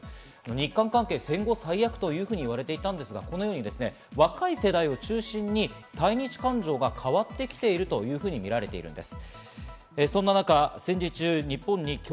日韓関係、戦後最悪と言われていたんですが、このように若い世代を中心に対日感情が変わってきているというふうに見られています。